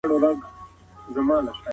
کار عبادت دی.